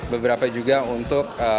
beberapa juga untuk